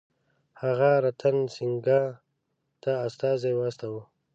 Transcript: هغه رتن سینګه ته یو استازی واستاوه.